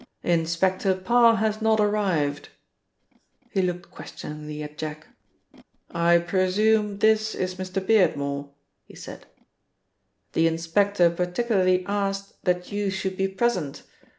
"Inspector Parr has not arrived," He looked questioningly at Jack. "I presume this is Mr. Beardmore?" he said. "The inspector particularly asked that you should be present.